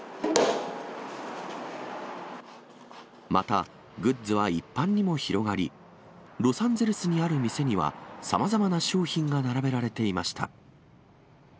また、グッズは一般にも広がり、ロサンゼルスにある店には、さまざまな商品が並べられていました。